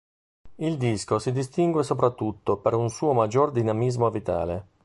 Il disco si distingue soprattutto per un suo maggior dinamismo vitale.